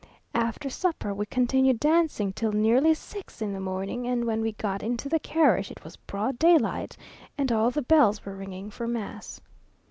After supper we continued dancing till nearly six in the morning; and when we got into the carriage it was broad daylight, and all the bells were ringing for mass.